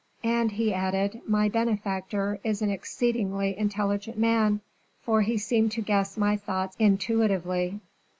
"And," he added, "my benefactor is an exceedingly intelligent man, for he seemed to guess my thoughts intuitively.